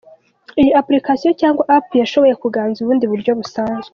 Iyi "application" cyangwa "app" yashoboye kuganza ubundi buryo busanzwe.